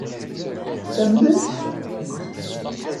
Ttamnent-t?